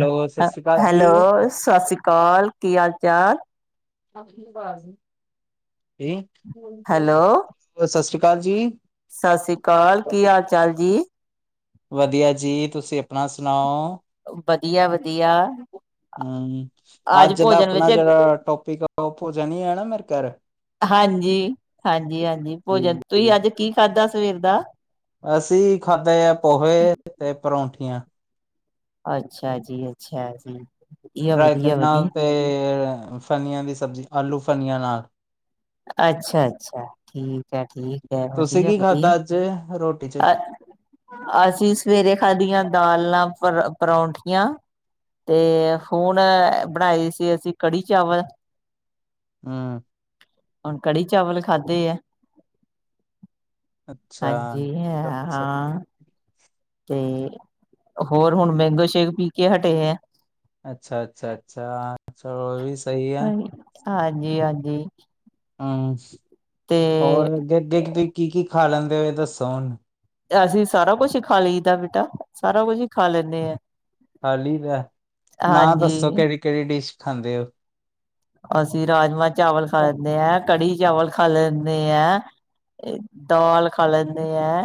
Hello ਸਤਿ ਸ਼੍ਰੀ ਅਕਾਲ ਜੀ। Hello, ਜੀ, ਸਤਿ ਸ਼੍ਰੀ ਅਕਾਲ ਕੀ ਹਾਲ ਚਾਲ। ਸਤਿ ਹੈਲੋ ਸ੍ਰੀ ਅਕਾਲ ਜੀ। ਸਤਿ ਸ੍ਰੀ ਅਕਾਲ ਕੀ ਹਾਲ ਚਾਲ ਜੀ। ਵਧੀਆ ਜੀ ਤੁਸੀਂ ਆਪਣਾ ਸੁਣਾਓ। ਵਧੀਆ-ਵਧੀਆ ਅ ਹੂੰ ਅੱਜ ਦਾ ਵਿੱਚ ਅਪਨਾ ਜਿਹੜਾ ਟੋਪਿਕ ਆ ਓ ਭੋਜਣ ਈ ਨਾ ਮੇਰੇ ਕਰ ਹਾਂਜੀ- ਹਾਂਜੀ-ਹਾਂਜੀ ਭੋਜਨ ਤੁਹੀ ਅੱਜ ਕੀ ਖਾਦਾ ਸਵੇਰ ਦਾ। ਅਸੀਂ ਖਾਦਾ ਆ ਪੋਹੇ ਤੇ ਪਰੌਂਠੀਆਂ। ਅੱਛਾ ਜੀ- ਅੱਛਾ ਜੀ। ਵਧੀਆ ਰਾਏਤੇ ਵਧੀਆ ਨਾਲ ਵਧੀਆ ਤੇ ਫਲੀਆਂ ਦੀ ਸਬਜੀ ਆਲੂ ਫਲੀਆਂ ਨਾਲ ਅੱਛਾ- ਅੱਛਾ ਠੀਕ ਐ -ਠੀਕ ਐ ਤੁਸੀਂ ਵਧੀਆ- ਕੀ ਵਧੀਆ [unintelligible] ਅ ਅਸੀਂ ਸਵੇਰੇ ਖਾਦੀਆਂ ਦਾਲ ਨਾਲ ਪਰੌਂਠੀਆਂ ਤੇ ਹੋਨ ਬਣਾਈ ਸੀ ਅਸੀਂ ਕੜੀ ਚਾਵਲ ਹੂੰ ਹੁਣ ਕੜੀ ਚਾਵਲ ਖਾਧੇ ਐ। ਅੱਛਾ ਜੀ ਹੇ ਅੱਛਾ ਹਾਂ। ਤੇ ਹੋਰ ਹੁਣ ਮੈਂਗੋ ਸ਼ੇਕ ਪੀ ਕੇ ਹਟੇ ਆਂ। ਅੱਛਾ -ਅੱਛਾ- ਅੱਛਾ ਚਲੋ ਇਹ ਵੀ ਸ ਹਾਂ ਹਾਂਜੀ- ਹਾਂਜੀ। ਹਾਂ ਤੇ ਔਰ ਅੱਗ ਅੱਗੇ ਕ ਕੀ -ਕੀ ਖਾ ਲੈਂਦੇ ਓ ਏ ਦੱਸੋ ਹੁਨ ਅਸੀਂ ਸਾਰਾ ਕੁਛ ਈ ਖਾ ਲਈਦਾ ਬੇਟਾ ਸਾਰਾ ਕੁਛ ਈ ਖਾ ਲੈਂਨੇ ਆਂ। ਖਾਲੀ ਐ ਹਾਂਜੀ -ਹਾਂਜੀ ਨਾ ਹਾਂਜੀ ਦੱਸੋ ਕਹਿੜੀ ਕਹਿੜੀ ਡਿਸ਼ ਖਾਂਦੇ ਓ। ਅਸੀਂ ਰਾਜਮਾਂ ਚਾਵਲ ਖਾ ਲੈਂਣੇ ਐਂ ਕੜੀ ਚਾਵਲ ਖਾ ਲੈਂਨੇ ਐਂ। ਏ ਦਾਲ਼ ਖਾ ਲੈਂਨੇ ਐਂ।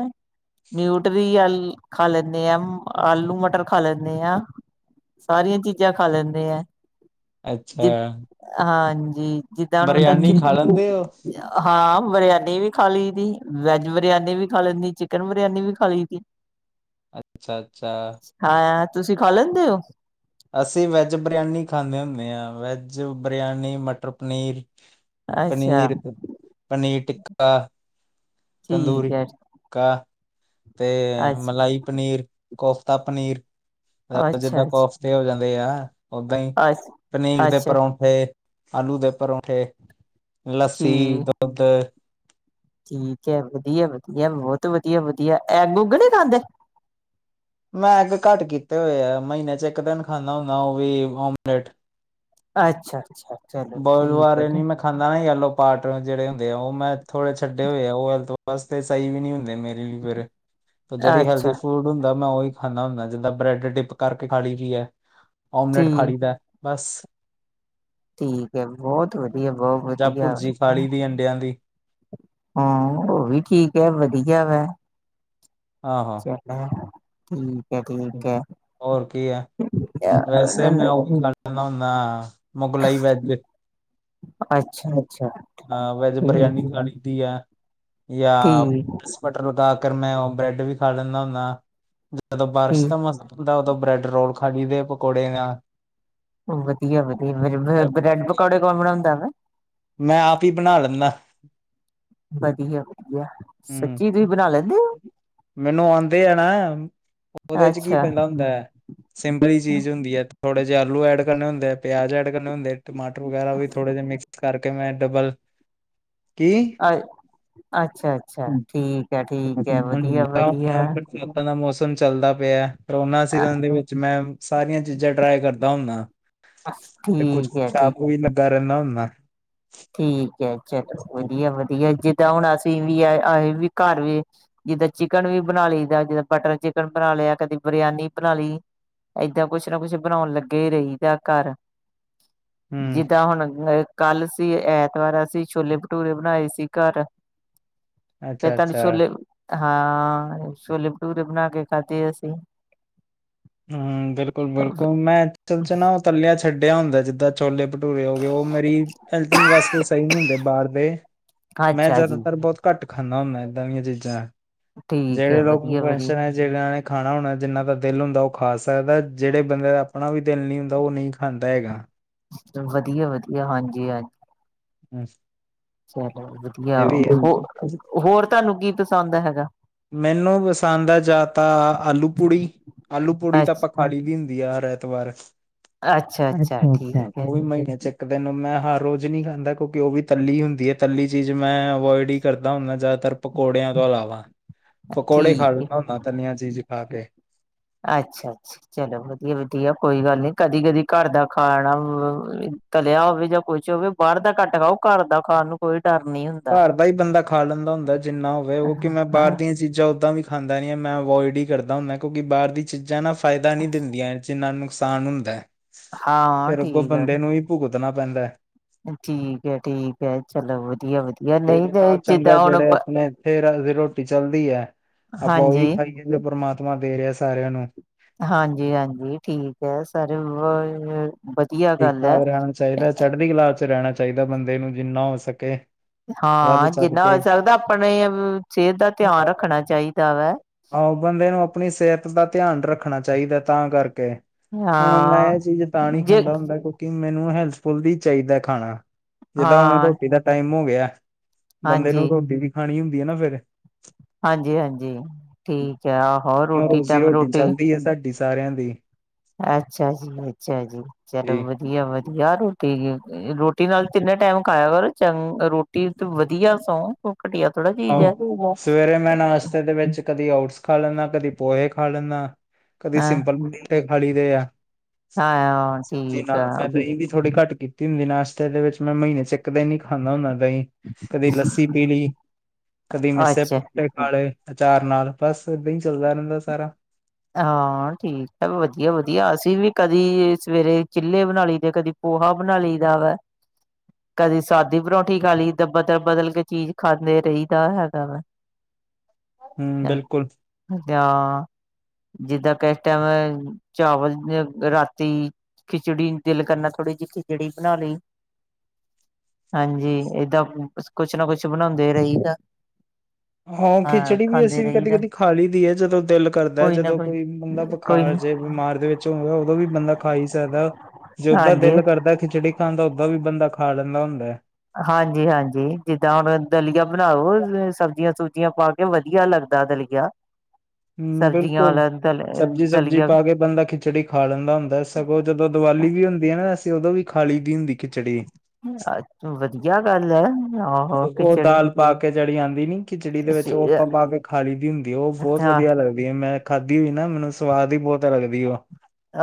ਨਿਊਟਰੀਅਲ ਖਾ ਲੈਂਨੇ ਆਂ ਮ ਆਲੂ ਮਟਰ ਖਾ ਲੈਂਨੇ ਆਂ। ਸਾਰੀਆਂ ਚੀਜਾਂ ਖਾ ਲੈਂਨੇ ਆਂ। ਅੱਛਾ। ਅ ਹਾਂਜੀ ਜਿੱਦਾਂ ਹੁਣ ਬਰਿਆਨੀ ਖਾ ਲੈਂਦੇ ਹੋ [unintelligible] ਹਾਂ ਬਰੇਆਨੀ ਵੀ ਖਾ ਲਈ ਦੀ ਵੈਜ ਬਰੇਆਨੀ ਵੀ ਖਾ ਲੈਂਨੀ ਚਿਕਨ ਬਰੇਆਨੀ ਵੀ ਖਾ ਲਈ ਦੀ। [inaudible] ਅੱਛਾ- ਅੱਛਾ ਹਾਂ ਯਾਰ ਤੁਸੀਂ ਖਾ ਲੈਂਦੇ ਓ। ਅਸੀਂ ਵੈਜ ਬਰਆਨੀ ਖਾਂਨੇ ਹੁੰਨੇ ਆਂ ਵੈਜ ਬਰੇਆਨੀ ਮਟਰ ਪਨੀਰ ਅੱਛਾ ਪਨੀਰ ਪਨੀਰ ਟਿੱਕਾ ਠੀਕ ਤੰਦੂਰੀ ਹੈ ਟਿੱਕਾ ਤੇ ਅੱਛਾ ਮਲਾਈ ਪਨੀਰ, ਕੋਫਤਾ ਪਨੀਰ ਤੇ ਜਿੱਦਾਂ ਅੱਛਾ ਅੱਛਾ ਕੋਫ ਤੇ ਹੋ ਜਾਂਦੇ ਆ ਓਦਾਂ ਈ ਅੱਛਾ ਪਨੀਰ ਦੇ ਅੱਛਾ ਪਰੌਂਠੇ ਆਲੂ ਦੇ ਪਰੌਂਠੇ, ਲੱਸੀ, ਠੀਕ ਦੁਧ ਠੀਕ ਐ ਵਧੀਆ- ਵਧੀਆ ਬੋਤ ਵਧੀਆ- ਵਧੀਆ ਐਗ ਉਗ ਨੀ ਖਾਂਦੇ। ਮੈ ਐਗ ਘੱਟ ਕੀਤੇ ਹੋਏ ਆ ਮਹੀਨੇ 'ਚ ਇੱਕ ਦਿਨ ਖਾਂਨਾ ਹੁੰਨਾ ਓ ਵੀ ਓਮਲੇਟ ਅੱਛਾ-ਅੱਛਾ [unintelligible] ਖਾਂਦਾ ਨੀ ਐਲੋ ਪਾਟ ਜਿਹੜੇ ਹੁੰਦੇ ਆ ਓ ਮੈਂ ਥੋੜੇ ਛੱਡੇ ਹੋਏ ਆ, ਓ ਹੈਲਥ ਵਾਸਤੇ ਸਈ ਵੀ ਨੀ ਹੁੰਦੇ ਮੇਰੇ ਫਿਰ ਜਿਹੜੀ ਅੱਛਾ ਹੈਲਦੀ ਫੂਡ ਹੁੰਦਾ ਮੈਂ ਉਈ ਖਾਂਦਾ ਹੁੰਨੈ ਜਿੱਦਾਂ ਬ੍ਰੈਡ ਡਿਪ ਕਰਕੇ ਖਾ ਲੀ ਦੀ ਐ ਓਮਲੇਟ ਖਾ ਠੀਕ ਲੀ ਦਾ ਬਸ ਠੀਕ ਐ ਬੋਤ ਵਧੀਆ- ਬੋ ਜਾਂ ਵਧੀਆ ਭੁਰਜੀ ਖਾ ਲਈ ਦੀ ਅੰਡਿਆਂ ਦੀ ਹਾਂ ਓ ਵੀ ਠੀਕ ਐ ਵਧੀਆ ਵੇ। ਆਹੋ। ਠੀਕ ਐ, ਠੀਕ ਹੋਰ ਕੀ ਐ। [unintelligible] ਮੁਗਲਈ ਵੈਜ ਏ। ਅ [unintelligible] ਹਾਂ, ਵੈਜ ਬਰਿਆਨੀ ਮੰਗਾ ਲੀੱਤੀ ਐ। ਯਾਂ, ਠੀਕ ਪ੍ਰੀਸ ਬਟਰ ਲਗਾਕੇ, ਮੈਂ ਉਹ ਬ੍ਰੈਡ ਵੀ ਖਾ ਲੀਂਨਾ ਹੁੰਨਾ। ਜਦੋਂ ਬਾਰਸ਼ ਠੀਕ ਦਾ ਮੌਸਮ ਹੁੰਦਾ, ਉਦੋਂ ਬ੍ਰੈਡ-ਰੋਲ ਖਾਲੀ ਦੇ ਪਕੋੜੇ ਨਾਲ। ਵਧੀਆ, ਵਧੀਆ। ਫਿਰ ਬ੍ਰੈਡ ਕਰਕੇ। ਪਕੌੜੇ ਕੌਣ ਬਣਾਂਦਾ ਵਾ? ਮੈਂ ਆਪ ਹੀ ਬਣਾ ਲੈਂਨਾ। ਵਧੀਆ, ਵਧੀਆ। ਹੂੰ ਸੱਚੀ ਤੁਹੀ ਬਣਾ ਲੈਂਦੇ ਹੋ? ਮੈਨੂੰ ਆਂਦੇ ਆ ਨਾ, ਹੋ ਉਹਦੇ'ਚ ਕੀ ਅੱਛਾ ਪੈਂਦਾ ਹੁੰਦਾ ਐ। ਸਿੰਪਲੀ ਚੀਜ਼ ਹੁੰਦੀ ਹੈ, ਥੋੜੇ ਜਹੇ ਆਲੂ ਐਡ ਕਰਨੇ ਹੁੰਦੇ ਏ, ਪਿਆਜ ਐਡ ਕਰਨੇ ਹੁੰਦੇ ਆ। ਟਮਾਟਰ ਵਗੈਰਾ ਵੀ ਥੋੜੇ ਜਿਹੇ ਮਿਕਸ ਕਰਕੇ, ਮੈਂ ਡਬਲ--ਕੀ? ਅ, ਅੱਛਾ-ਅੱਛਾ, ਠੀਕ ਹੈ, ਠੀਕ ਹੈ, ਵਧੀਆ-ਵਧੀਆ। ਤਾਂ ਦਾ ਮੌਸਮ ਚੱਲਦਾ ਪਿਆ, ਕਰੋਨਾ ਅ ਸੀਜ਼ਨ ਦੇ ਵਿੱਚ ''ਮੈਂ ਸਾਰੀਆਂ ਚੀਜ਼ਾਂ ਟ੍ਰਾਈ ਕਰਦਾ ਹੁੰਨਾ, ਤੇ ਕੁਛ ਠੀਕ ਹੈ ਠੀਕ ਚਾਪ ਵੀ ਕ ਰੱਨਾ ਹੁੰਨਾ ਠੀਕ ਐ, ਚਲੋ ਵਧੀਆ-ਵਧੀਆ, ਜਿੱਦਾਂ ਹੁਣ ਅਸੀਂ ਵੀ ਆਏ ਵੀ ਘਰ ਵੀ ਜਿੱਦਾਂ ਚਿਕਨ ਵੀ ਬਣਾ ਲਈਦਾ, ਜਿੱਦਾਂ ਬਟਰ-ਚਿਕਨ ਬਣਾ ਲਿਆ, ਕਦੀ ਬਰਿਆਨੀ ਬਣਾਲੀ। ਏਦਾਂ, ਕੁਛ ਨਾ ਕੁਛ ਬਣਾਉਣ ਲੱਗੇ ਰਹੀਦਾ ਘਰ। ਹੂੰ, ਜਿੱਦਾਂ ਹੁਣ ਅ, ਕੱਲ੍ਹ ਸੀ ਐਤਵਾਰ ਅਸੀਂ, ਛੋਲੇ-ਭਟੂਰੇ ਬਣਾਏ ਸੀ ਘਰ। ਫਿਰ ਤਾਹਨੁੰ ਅੱਛਾ-ਅੱਛਾ। ਛੋਲੇ, ਹਾਂ। ਛੋਲੇ-ਭਟੂਰੇ ਬਣਾਕੇ ਖਾਧੇ ਅਸੀ। ਹੂੰ, ਬਿਲਕੁਲ-ਬਿਲਕੁਲ ਮੈਂ ਐਕਤਚਲ'ਚ ਨਾ ਉਹ ਤਲਿਆਂ ਛੱਡਿਆ ਹੁੰਦਾ, ਜਿੱਦਾਂ ਛੋਲੇ-ਭਟੂਰੇ ਹੋ ਗਏ, ਉਹ ਮੇਰੀ ਹੇਲਤੀਂਗ ਵਾਸਤੇ ਸਹੀ ਨੀ ਹੁੰਦੇ, ਬਾਹਰਦੇ। ਮੈਂ, ਅੱਛਾ ਜੀ ਜਿਆਦਾਤਰ ਬਹੁਤ ਘੱਟ ਖਾਂਨਾ ਹੁੰਨਾ ਏਦਾਂ ਦੀਆਂ ਚੀਜ਼ਾਂ, ਠੀਕ ਹੈ ਜਿਹੜੇ ਲੋਕ ਵਧੀਆ ਵਧੀਆ [unintelligible] ਜੀਣਾ ਨੇ ਖਾਣਾ ਹੋਣਾ, ਜਿੰਨਾ ਦਾ ਦਿਲ ਹੁੰਦਾ ਉਹ ਖਾ ਸਕਦਾ, ਜਿਹੜੇ ਬੰਦੇ ਦਾ ਆਪਣਾ ਵੀ ਦਿਲ ਨਹੀਂ ਹੁੰਦਾ, ਉਹ ਨਹੀਂ ਖਾਂਦਾ ਹੈਗਾ। ਵਧੀਆ-ਵਧੀਆ, ਹਾਂਜੀ-ਹਾਂਜੀ। ਅਸ਼ ਚਲੋ ਵਧੀਆ, ਹੋਰ, ਹੈ। ਹੋਰ ਤੁਹਾਨੂੰ ਕੀ ਪਸੰਦ ਹੈਗਾ? ਮੈਨੂੰ ਪਸੰਦ ਆ ਜਾ ਤਾਂ, ਆਲੂ-ਪੂੜੀ, ਆਲੂ-ਪੂੜੀ ਤਾ ਅੱਛਾ ਆਪਾਂ ਖਾਲੀ ਦੀ ਹੁੰਦੀ ਆ ਰੈ ਤਵਾਰ, ਅੱਛਾ ਅੱਛਾ ਅਛਾ-ਅੱਛਾ। ਠੀਕ ਹੈ ਉਹ ਵੀ ਮਹੀਨੇ'ਚ ਇੱਕ ਦਿਨ ਮੈਂ ਹਰ ਰੋਜ਼ ਨਹੀਂ ਖਾਂਦਾ। ਕਿਉਂਕਿ, ਉਹ ਵੀ ਤੱਲੀ ਹੁੰਦੀ ਆ, ਤੱਲੀ ਚੀਜ਼ ''ਮੈਂ ਅਵੋਇਡ ਹੀ ਕਰਦਾ ਹੁੰਨਾ ਜ਼ਿਆਦਾਤਰ। ਪਕੌੜਿਆਂ ਤੋਂ ਇਲਾਵਾ, ਪਕੌੜੇ ਖਾ ਠੀਕ ਹੈ ਲੈਂਨਾ ਹੁੰਦਾ, ਤਨੀਆਂ ਚੀਜ਼ ਖਾਕੇ। ਅੱਛਾ-ਅੱਛਾ, ਚਲੋ ਵਧੀਆ-ਵਧੀਆ ਕੋਈ ਗੱਲ ਨੀ, ਕਦੀ-ਕਦੀ ਘਰ ਦਾ ਖਾਣਾ ਵੀ ਈਂ ਤਲਿਆ ਹੋਵੇ, ਜਾਂ ਕੁਝ ਹੋਵੇ, ਬਾਹਰ ਦਾ ਘੱਟ ਖਾਓ, ਘਰ ਦਾ ਖਾਣ ਨੂੰ ਕੋਈ ਡਰ ਨਹੀਂ ਹੁੰ ਘਰ ਦਾ ਹੀ ਬੰਦਾ ਖਾ ਲੈਂਦਾ ਹੁੰਦਾ ਜਿੰਨਾ ਹੋਵੇ, ਉਹ ਕਿ ਮੈਂ ਬਾਹਰ ਦੀਆਂ ਚੀਜ਼ਾਂ ਓਦਾਂ ਵੀ ਖਾਂਦਾ ਨਹੀਂ ਹੈ, ਮੈਂ ਅਵੋਇਡ ਹੀ ਕਰਦਾ ਹੁੰਨਾ, ਕਿਉਂਕਿ ਬਾਹਰ ਦੀ ਚੀਜ਼ਾਂ ਨਾ ਫਾਇਦਾ ਨਹੀਂ ਦਿੰਦੀਆਂ ਜਿੰਨਾ ਨੁਕਸਾਨ ਹੁੰਦੈ, ਹਾਂ ਫਿਰ ਅੱਗੋਂ ਠੀਕ ਆ ਬੰਦੇ ਨੂੰ ਵੀ ਭੁਗਤਣਾ ਪੈਂਦਾ। ਠੀਕ ਏ, ਠੀਕ ਏ, ਚਲੋ ਵਧੀਆ-ਵਧੀਆ, ਨਹੀਂ ਤੇ ਜਿੱਦਾਂ ਹੁਣ ਫੇਰ ਰੋਜੀ-ਰ੍ਹੋਟੀ ਚੱਲਦੀ ਐ, ਆਪਾਂ ਉਹੀ ਹਾਂਜੀ ਖਾਈਏ ਜਾਂਨੇ ਆ ਪਰਮਾਤਮਾ ਦੇ ਰਹਿਆ ਸਾਰਿਆਂ ਨੂੰ। ਹਾਂਜੀ-ਹਾਂਜੀ ਠੀਕ ਹੈ, ਸਾਰ [unintelligible] ਠੀਕ-ਠਾਕ ਰਹਿਣਾ ਚਾਹੀਦਾ, ਚੜ੍ਹਦੀ ਕਲਾ‌'ਚ ਰਹਿਣਾ ਚਾਹੀਦਾ ਬੰਦੇ ਨੂੰ, ਜਿੰਨਾ ਹੋ ਸਕੇ। ਵੱਧ ਹਾਂ! ਚੜ ਜਿੰਨਾ ਹੋ ਕੇ ਸਕਦਾ ਆਪਣੇ ਸਿਹਤ ਦਾ ਧਿਆਨ ਰੱਖਣਾ ਚਾਹੀਦਾ ਵਾ। ਆਹੋ, ਬੰਦੇ ਨੂੰ ਆਪਣੀ ਸਿਹਤ ਦਾ ਧਿਆਨ ਰੱਖਣਾ ਚਾਹੀਦਾ ਤਾਂ ਕਰਕੇ। ਹੁਣ ਮੈਂ ਹਾਂ ਇਹ ਚੀਜ਼, ਤਾਂ ਨਹੀਂ ਜੇ ਖਾਂਦਾ ਹੁੰਦਾ ਕੁਛ ਕਿ ਮੈਨੂੰ ਹੈਲਥਫੁਲ ਹੀ ਚਾਹੀਦਾ ਖਾਣਾ, ਜਿਦਾਂ ਹੁਣ ਹਾਂ ਰੋਟੀ ਦਾ ਟਾਈਮ ਹੋ ਗਿਆ ਬੰਦੇ ਨੂੰ ਹਾਂਜੀ ਰ੍ਹੋਟੀ ਵੀ ਖਾਣੀ ਹੁੰਦੀ ਏ ਨਾ ਫਿਰ ਹਾਂਜੀ ਹਾਂਜੀ ਠੀਕ ਹੈ, ਆਹੋ ਰੋਟੀ ਟਾਈਮ ਰੋਟੀ ਏ ਸਾਡੀ ਡਿਸ ਸਾਰਿਆਂ ਦੀ ਅੱਛਾ ਜੀ, ਅੱਛਾ ਜੀ, ਚਲੋ ਜੀ ਵਧੀਆ ਵਧੀਆ ਰ ਤੇ, ਰੋਟੀ ਨਾਲ ਤਿੰਨੇ ਟਾਈਮ ਖਾਇਆ ਕਰੋ ਚੰ ਰੋਟੀ ਤੇ ਵਧੀਆ ਸੌਂ ਘਟੀਆ ੋੜ੍ਹਾ [unintelligible] ਆਹੋ, ਸਵੇਰੇ ਮੈਂ ਨਾਸ਼ਤੇ ਦੇ ਵਿਚ ਕਦੀ ਔਟਸ ਖਾ ਲੈਨਾ, ਕਦੀ ਪੋਹੇ ਖਾ ਲੈਨਾ, ਕਦੀ ਹਾਂ ਸਿੰਪਲ ਮੀਠੇ ਖਾ ਲਈ ਦੇ ਆ ਹਾਂ ਸਬਜੀ ਠੀਕ ਨਾਲ ਆ ਫਾਇਦਾ ਇਹ ਵੀ ਥੋੜੀ ਘੱਟ ਕੀਤੀ ਹੁਦੀ ਨਾਸ਼ਤੇ ਦੇ ਵਿਚ, ਮੈਂ ਮਹੀਨੇ 'ਚ ਇਕ ਦਿਨ ਹੀ ਖਾਂਦਾ ਹੁੰਦਾ ਦਹੀ। ਕਦੇ ਲੱਸੀ ਪੀ ਲਈ- ਕਦੀ ਮਿਸੇ ਅੱਛਾ ਪਰਉਠੇ ਖਾਲੇ ਅਚਾਰ ਨਾਲ, ਬਸ ਏਦਾਂ ਹੀ ਚੱਲਦਾ ਰਹਿਦਾ ਸਾਰਾ। ਹਾਂ ਠੀਕ ਹੈ, ਵਧੀਆ ਵਧੀਆ ਅਸੀ ਵੀ ਕਦੀ ਸਵੇਰੇ ਚਿਲੇ ਬਣਾ ਲਈ ਤੇ ਕਦੀ ਪੋਹਾ ਬਣਾ ਲਈ ਦਾ ਵੈ ਕਦੀ ਸਾਦੀ ਪਰੌਠੀ ਖਾ ਲਈ, ਤਾ ਬਦਲ ਬਦਲ ਕੇ ਚੀਜ਼ ਖਾਂਦੇ ਰਹੀਦਾ ਹੈਗਾ ਵਾ [inaudible] ਹੂ ਬਿਲਕੁਲ- ਅਆ- [inaudible] ਜਿੱਦਾਂ ਕਿ, ਇਸ ਟਾਈਮ, ਚਾਵਲ ਰਾਤੀ ਖਿਚੜੀ ਦਿਲ ਕਰਨਾ, ਥੋੜ੍ਹੀ ਜਿਹੀ ਖਿਚੜੀ ਬਣਾ ਲਈ। ਹਾਂਜੀ ਏਦਾਂ, ਕੁਛ ਨਾ ਕੁਛ ਬਣਾਉਦੇ ਰਹੀ ਦਾ- ਹਾਂ ਖਿਚੜੀ ਵੀ ਖਾਂਦੇ ਅਸੀ ਵੀ ਰਹੀ ਕਦੀ- ਦਾ ਕਦੀ- ਖਾ ਲਈ ਦੀ ਐ, ਜਦੋ ਦਿਲ ਕਰਦਾ, ਜਦੋ ਕੋਈ ਬੰਦਾ ਕੋਈ ਬੁਖਾਰ ਜੇ ਬਿਮਾਰ ਦੇ ਵਿਚ ਹੋਦਾ, ਉਦੋ ਵੀ ਬੰਦਾ ਖਾ ਹੀ ਸਕਦਾ ਜ ਦਾਂ ਹਾਂਜੀ ਦਿਲ ਕਰਦਾ ਖਿਚੜੀ ਤਾਂ ਓਦਾਂ ਵੀ ਬੰਦਾ, ਖਾ ਲੈਦਾ ਹੁਦਾ ਹੈ। ਹਾਂਜੀ- ਹਾਂਜੀ, ਜਿਦਾਂ ਹੁਣ ਦਲੀਆ ਬਣਾਓ ਸਬਜ਼ੀਆਂ ਸੁਬਜ਼ੀਆਂ ਪਾ ਕੇ, ਵਧੀਆ ਲਗਦਾ ਦਲੀਆ [inaudible] ਹੂ ਸਬਜ਼ੀਆਂ ਬਿਲਕੁਲ ਵਾਲਾ ਦਲ ਸਬਜ਼ੀ ਸੁਬਜੀ ਦਲੀਆ ਪਾ ਕੇ ਬੰਦਾ ਖਿਚੜੀ ਖਾ ਲੈਂਦਾ ਹੁੰਦਾ, ਸਗੋ ਜਦੋ ਦੀਵਾਲੀ ਵੀ ਹੁਦੀ ਹੈ ਨਾ, ਅਸੀ ਉਦੋ ਵੀ ਖਾਲੀ ਦੀ ਹੁੰਦੀ ਖਿਚੜੀ ਅੱ ਵਧੀਆ ਗੱਲ ਹੈ। ਆਹੋ ਉਹ ਖਿਚੜੀ ਦਾਲ ਪਾ ਕੇ ਜਿਹੜੀ ਆਉਦੀ ਨ ਖਿਚੜੀ ਦੇ ਵਿਚ ਉਹ ਆਪਾਂ ਪਾ ਕੇ ਖਾਲੀ ਦੀ ਹੁਦੀ, ਉਹ ਬਹੁਤ ਅੱਛਾ ਵਧੀਆ ਲਗਦੀ ਮੈਂ ਖਾਧੀ ਹੋਈ ਨਾ, ਮੈਨੂੰ ਸਵਾਦ ਹੀ ਬਹੁਤ ਲਗਦੀ ਉਹ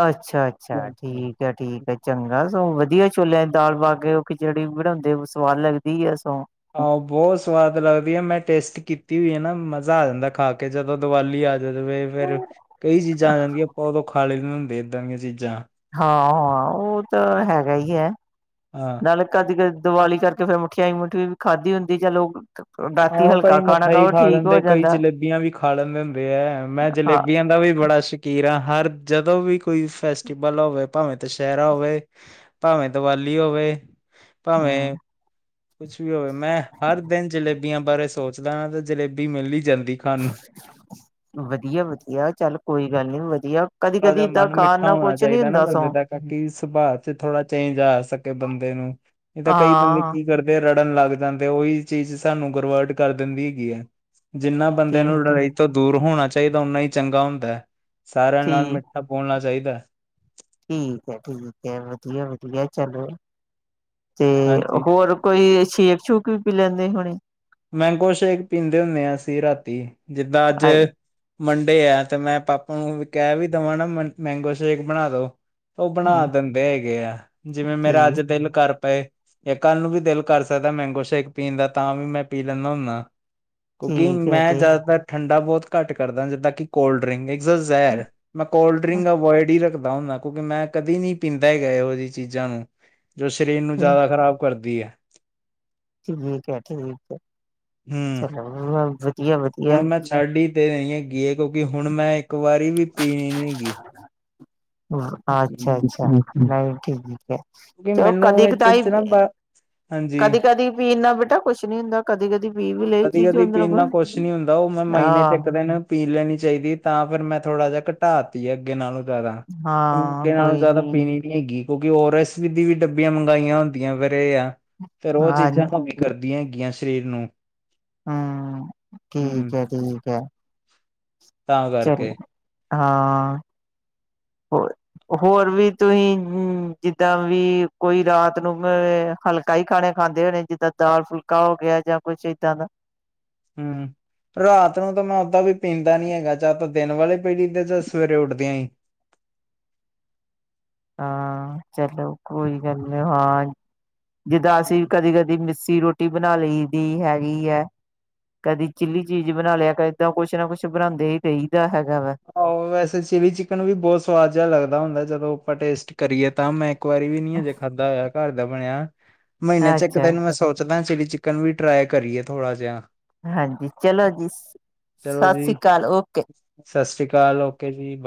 ਅਛਾ- ਅਛਾ ਠੀਕ ਹੈ, ਠੀਕ ਚੰਗਾ ਸਗੋ ਵਧੀਆ ਛੋਲਿਆਂ ਦੀ ਦਾਲ ਪਾ ਕੇ, ਉਹ ਖਿਚੜੀ ਬਣਾਉਦੇ, ਸਵਾਦ ਲਗਦੀ ਆ ਸੋ ਆਹੋ ਬਹੁਤ ਸਵਾਦ ਲਗਦੀ ਆ, ਮੈਂ ਟੇਸਟ ਕੀਤੀ ਹੋਈ ਆ ਨਾ ਮਜ਼ਾ ਆ ਜਾਂਦਾ ਖਾ ਕੇ, ਜਦੋ ਦੀਵਾਲੀ ਆ ਜਦੋ ਫੇਰ ਕਈ ਚੀਜ਼ਾਂ ਆ ਜਾਂਦੀਆਂ, ਆਪਾ ਉਦੋ ਖਾਲੇ ਨ ਹੁੰਦੇ ਏਦਾਂ ਦੀ ਚੀਜਾ ਹਾਂ- ਹਾਂ ਉਹ ਤਾਂ ਹੈਗਾ ਹੀ ਹੈ, ਹਾਂ ਨਾਲੇ ਕਦੀ ਕਦੇ ਦੀਵਾਲੀ ਕਰ ਕਿ ਫੇਰ ਮਠਿਆਈ ਮੁਠੀਈ ਵੀ ਖਾਧਦੀ ਹੁਦੀ, ਜਾਂ ਲੋਕ ਹਾਂ ਕਈ ਮਠਾਈ ਖਾ ਲੈਦੇ, ਕਈ ਜਾਂਦਾ ਜਲੇਬੀਆਂ ਵੀ ਖਾ ਲੈਦੇ ਹੁਦੇ ਹੈ, ਮੈ ਹਾਂ ਜਲੇਬੀਆਂ ਦਾ ਵੀ ਬੜਾ ਕੀਰਾਂ ਹਰ, ਜਦੋ ਵੀ ਕੋਈ ਫੈਸਟੀਵਲ ਹੋਵੇ ਭਾਵੇਂ ਦੁਸਹਿਰਾ ਹੋਵੇ, ਭਾਵੇ ਦੀਵਾਲ਼ੀ ਹੋਵੇ, ਭਾਵੇ ਹਮ ਕੁਛ ਵੀ ਹੋਵੇ, ਮੈਂ ਹਰ ਦਿਨ ਜਲੇਬੀ ਜਲੇਬੀਆਂ ਬਾਰੇ ਸੋਚਦਾ, ਤੇ ਜਲੇਬੀ ਮਿਲ ਹੀ ਜਾਂਦੀ ਖਾਣ ਨੂੰ ਵਧੀਆ- ਵਧੀਆ, ਚੱਲ ਕੋਈ ਗਲ ਨੀ, ਵਧੀਆ ਕਦੀ ਥੋੜਾ ਕਦੀ ਇਦਾਂ ਖਾਣ ਨਾਲ, ਕੁਛ ਨੀ ਹੁਦਾ ਸਗ ਤਾਂ ਕਿ ਸੁਭਾਅ ਚ ਥੋੜਾ ਚੇਜ ਆ ਸਕੇ ਬਦੇ ਨੂੰ, ਨਹੀ ਤਾਂ ਕਈ ਬਦੇ ਹਾਂ ਕੀ ਕਰਦੇ ਦੇ ਲੜਨ ਲਗ ਜਾਦੇ, ਉਹੀ ਚੀਜ਼ ਸਾਨੂੰ ਐਗਰੋਵਰਟ ਕਰ ਦਿਦੀ ਹੈਗੀ ਹੈ। ਜਿੰਨਾ ਬਦੇ ਨੂੰ ਠੀਕ ਏ ਲੜਾਈ ਤੋਂ ਦੂਰ ਹੋਣਾ ਚਾਹੀਦਾ, ਓਨਾ ਹੀ ਚੰਗਾ ਹੁਦਾ, ਸਾਰਿਆਂ ਨਾਲ ਠੀਕ ਮਿੱਠਾ ਬੋਲਣਾ ਚਾਹੀਦਾ- ਠੀਕ ਹੈ, ਠੀਕ ਹੈ, ਵਧੀਆ- ਵਧੀਆ ਚਲੋ, ਤੇ ਹਾਂਜੀ। ਹੋਰ ਕੋਈ ਛੇਕ ਛੂਕ ਵੀ ਪੀ ਲੈਦੇ ਹਣੇ ਮੈਂਗੋ ਸ਼ੇਕ ਪੀਦੇ ਹੁਦੇ ਹਸੀ ਰਾਤੀ ਜਿਦਾਂ ਅਜ ਆਏ ਮੰਡੇ ਆ ਤੇ ਮੈਂ ਪਾਪਾ ਨੂੰ ਵੀ ਕਿਹਾਹਿ ਵੀ ਦਵਾ ਨਾ ਮੈਗੋ ਸ਼ੇਕ ਬਣਾ ਦੋ ਉਹ ਬਣਾ ਹੂੰ। ਦਿਦੇ ਹੈਗੇ ਆ ਜਿਵੇ ਮੇਰਾ ਠੀਕ ਅਜ ਦਿਲ ਕਰ ਪਏ ਇੱਕ ਕੱਲ ਨੂੰ ਵੀ ਦਿਲ ਕਰ ਸਕਦਾ ਮੈਂਗੋ ਸ਼ੇਕ ਪੀਣ ਦਾ, ਤਾਂ ਵੀ ਮੈਂ ਪੀ ਲੈਂਣਾ ਹੁੰਣਾ। ਕਿ ਠੀਕ ਐ ਮੈਂ ਤੇ ਜ਼ਿਆਦਾਤਰ ਠੰਡਾ ਬਹੁਤ ਘੱਟ ਕਰਦਾ ਜਿੱਦਾਂ ਕਿ ਕੋਲਡ ਡਰਿੰਕ ਹੈ। ਜ਼ਹਿਰ ਮੈਂ ਕੋਲਡ ਡ੍ਰਿੰਕ ਅਵੋਇਡ ਹੀ ਰੱਖੀ। ਹੁੰਦਾ ਹੈਗੇ ਕਿਉਂਕਿ ਮੈਂ ਕਦੇ ਨੀ ਪੀਂਦਾ ਹੈਗਾ ਇਹੋ ਜਿਹੀ ਚੀਜ਼ਾਂ ਨੂੰ। ਜੋ ਸਰੀਰ ਨੂੰ ਜ਼ਿਆਦਾ ਖ਼ਰਾਬ ਕਰਦੀ ਹੈ। ਠੀਕ ਹੈ ਠੀਕ ਹੈ ਹਮ ਚੱਲੋ [unintelligible] ਹੁਣ ਮੈਂ ਛੱਡ ਹੀ ਦੇਨੀ ਹੈਗੀ ਕਿਉਂਕਿ ਹੁਣ ਮੈਂ ਇੱਕ ਵਾਰੀ ਵੀ ਪੀਣੀ ਨੀ ਗੀ। ਅੱਛਾ ਅੱਛਾ ਕਿਉਂਕਿ ਨਹੀਂ ਠੀਕ ਹੈ। ਚਲੋ ਕਦੀ ਮੈਨੂੰ ਇਹਦੇ ਕਦਾਈ ਚ ਨਾ ਬ ਹਾਂਜੀ ਕਦੀ ਕਦੀ ਵੀ ਇੰਨਾ ਬੇਟਾ ਕੁਛ ਨੀ ਹੁੰਦਾ। ਕਦੀ ਕਦੀ ਪੀ ਵੀ। ਲਈ ਕਦੀ ਚੀਜ਼ ਕਦੀ ਉਹਦੇ ਪੀਣ ਨਾਲ ਕੁਛ ਨੀ ਹੁੰਦਾ ਉਹ ਮੈਂ ਮਹੀਨੇ ਚ ਹਾਂ ਇੱਕ ਦਿਨ। ਪੀ ਲੈਣੀ ਚਾਹੀਦੀ ਤਾਂ ਫਿਰ ਮੈਂ ਥੋੜ੍ਹਾ ਜਿਹਾ ਘਟਾਤੀ ਆ ਅੱਗੇ ਨਾਲੋਂ। ਜ਼ਿਆਦਾ ਹਾਂ ਮੁੰਡੇ ਨਾਲੋਂ ਕੋਈ ਜ਼ਿਆਦਾ ਨੀ ਬੀਨੀ। ਹੈਗੀ ਕਿਉਂਕਿ ਓਰ ਐਸ ਦੀ ਵੀ ਡੱਬੀਆਂ ਮੰਗਾਈਆਂ ਹੁੰਦੀਆਂ ਫੇਰ ਇਹ ਆ ਫੇਰ ਉਹ ਹਾਂ ਚੀਜ਼ਾਂ। ਕਰਦੀਆਂ ਹੈਗੀਆਂ ਸ਼ਰੀਰ ਨੂੰ। ਹਮ ਠੀਕ ਹੈ ਹੂੰ ਠੀਕ ਹੈ। ਤਾਂ ਚਲ ਕਰਕੇ ਹਾਂ ਹੋ। ਹੋਰ ਵੀ ਤੁਹੀਂ ਜਿੱਦਾਂ ਵੀ ਕੋਈ ਰਾਤ ਨੂੰ ਹਲਕਾ। ਕਈ ਖਾਣੇ ਖਾਂਦੇ ਹੋ ਨੇ ਜਿੱਦਾਂ ਦਾਲ ਫੁਲਕਾ ਹੋ ਗਿਆ ਜਾਂ ਕੁਛ ਇੱਦਾਂ ਦਾ। ਹਮ। ਰਾਤ ਨੂੰ ਤਾਂ ਮੈਂ ਓਦਾਂ ਵੀ ਪੀਂਦਾ ਨੀ ਹੈਗਾ ਚਾਹ ਤਾਂ ਦਿਨ ਵੇਲੇ ਪੀਲੀ ਦੀ ਚ ਸਵੇਰੇ ਉੱਠਦਿਆਂ ਹੀ। ਹਾਂ ਚਲੋ ਕੋਈ ਗੱਲ ਨੀ ਹਾਂ। ਜਿੱਦਾਂ ਅਸੀਂ ਕਦੀ ਕਦੀ ਮਿੱਸੀ ਰੋਟੀ ਬਣਾ ਲਈ ਦੀ ਹੈਗੀ ਐ। ਕਦੀ ਚਿੱਲੀ ਚੀਜ਼ ਬਣਾ ਲਿਆ ਕਦ ਕੁਛ ਨਾ ਕੁਛ ਬਣਾਉਂਦੇ ਹੀ ਰਹੀਦਾ ਹੈਗਾ ਵਾ। ਆਹੋ ਵੈਸੇ ਚਿਲੀ ਚਿਕਨ ਵੀ ਬਹੁਤ ਸਵਾਦ ਜਿਹਾ ਲੱਗਦਾ ਹੁੰਦਾ ਜਦੋਂ ਆਪਾਂ ਟੇਸਟ ਕਰੀਏ ਤਾਂ ਮੈਂ। ਇੱਕ ਵਾਰੀ ਵੀ ਨੀ ਹਜੇ ਖਾਧਾ ਹੋਇਆ ਘਰ ਦਾ ਬਣਿਆ ਮਹੀਨੇ ਚ ਇੱਕ ਅੱਛਾ ਦਿਨ ਮੈਂ ਸੋਚ‌। ਮੈਂ ਚਿਲੀ ਚਿਕਨ ਵੀ ਟਰਾਈ ਕਰੀਏ ਥੋੜ੍ਹਾ ਜਿਹਾ। ਹਾਂਜੀ ਚਲੋ ਜੀ ਚਲੋ ਸਾ ਸੀ ਜੀ ਕਾਲ ਓਕੇ। ਸਤਿ ਸ਼੍ਰੀ ਅਕਾਲ ਓਕੇ ਜੀ ਬ।